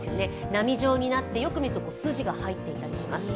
波状になってよく見ると筋が入っていたりします。